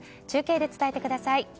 中継で伝えてください。